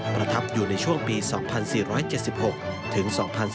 ประทับอยู่ในช่วงปี๒๔๗๖ถึง๒๔